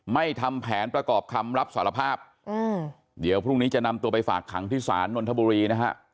ทำแผนประกอบคำรับสารภาพอืมเดี๋ยวพรุ่งนี้จะนำตัวไปฝากขังที่ศาลนนทบุรีนะฮะ